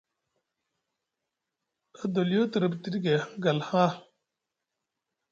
Adoliyo te riɓtiɗi gay hangal haa.